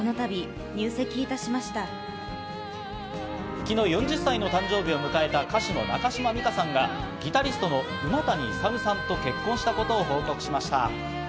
昨日、４０歳の誕生日を迎えた歌手の中島美嘉さんがギタリストの馬谷勇さんと結婚したことを報告しました。